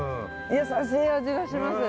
優しい味がします。